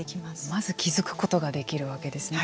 まず気付くことができるわけですね。